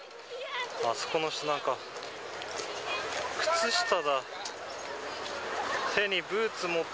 あそこの人、なんか、靴下だ。